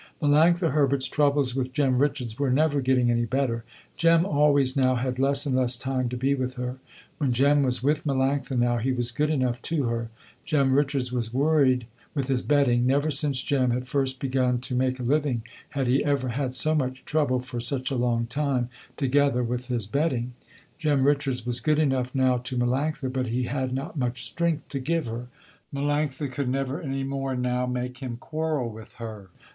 Melanctha Herbert's troubles with Jem Richards were never getting any better. Jem always now had less and less time to be with her. When Jem was with Melanctha now he was good enough to her. Jem Richards was worried with his betting. Never since Jem had first begun to make a living had he ever had so much trouble for such a long time together with his betting. Jem Richards was good enough now to Melanctha but he had not much strength to give her. Melanctha could never any more now make him quarrel with her.